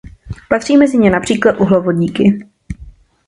Patří mezi ně například uhlovodíky.